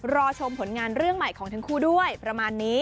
รอชมผลงานเรื่องใหม่ของทั้งคู่ด้วยประมาณนี้